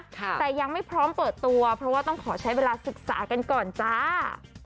แต่ยังไม่พร้อมเปิดตัวเพราะว่าต้องขอใช้เวลาศึกษากันก่อนจ้า